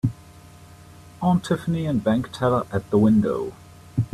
Aunt Tiffany and bank teller at the window.